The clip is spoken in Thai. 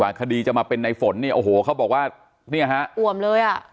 คดีจะมาเป็นในฝนเนี่ยโอ้โหเขาบอกว่าเนี่ยฮะอ่วมเลยอ่ะ